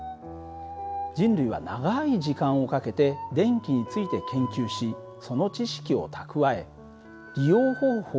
人類は長い時間をかけて電気について研究しその知識を蓄え利用方法を育ててきたんです。